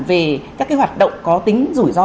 về các cái hoạt động có tính rủi ro